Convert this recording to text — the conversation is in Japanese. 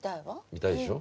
見たいでしょ？